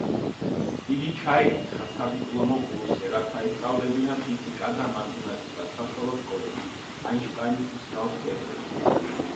იგი ჩაირიცხა სადიპლომო კურსზე, რათა ესწავლებინა ფიზიკა და მათემატიკა საშუალო სკოლებში, აინშტაინის მსგავს პერიოდში.